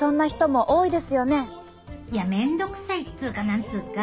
いや面倒くさいっつうか何つうか。